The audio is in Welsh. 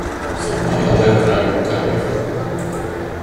Sut mae olew craidd yn cael ei ffurfio?